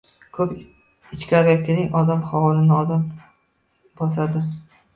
— Xo‘p, ichkari kiring. Odam hovrini odam bosadi!